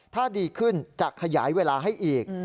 ถ้าดีขึ้นจะขยายเวลาให้อีก